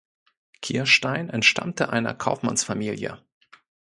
Kirstein entstammte einer Kaufmannsfamilie.